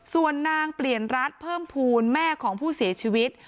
ส่วนนางเปลี่ยนรัฐเพิ่มภูมิแม่ของผู้เสียชีวิต